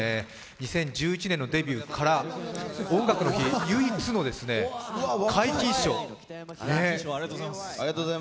２０１１年のデビューから「音楽の日」唯一の皆勤賞。